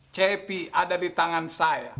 cepi ada di tangan saya